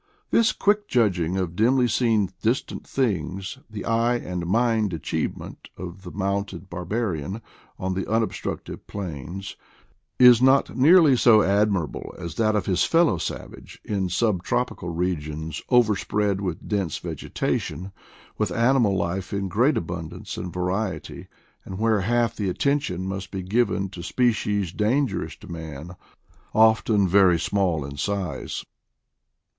This quick judging of dimly seen distant things, the eye and mind achievement of the mounted bar barian on the unobstructed plains, is not nearly so admirable as that of his fellow savage in sub tropical regions overspread with dense vegetation, with animal life in great abundance and variety, and where half the attention must be given to species dangerous to man, often very small in size.